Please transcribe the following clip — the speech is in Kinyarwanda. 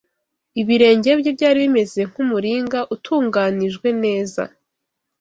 Ibirenge bye byari bimeze nk’umuringa utunganijwe neza